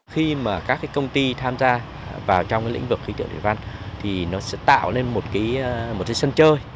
khi mà các cái công ty tham gia vào trong lĩnh vực khí tượng thủy văn thì nó sẽ tạo lên một cái sân chơi